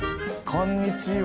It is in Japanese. こんにちは。